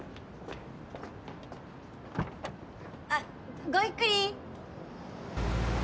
あっごゆっくり！